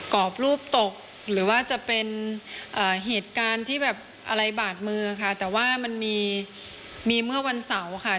กรอบรูปตกหรือว่าจะเป็นเหตุการณ์ที่แบบอะไรบาดมือค่ะแต่ว่ามันมีมีเมื่อวันเสาร์ค่ะ